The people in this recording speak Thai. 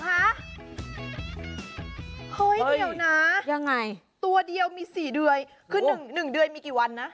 เฮ้ยเดี๋ยวนะยังไงตัวเดียวมี๔เดือนคือ๑เดือนมีกี่วันนะ